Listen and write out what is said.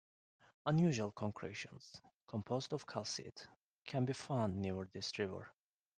Unusual concretions, composed of calcite, can be found near this river.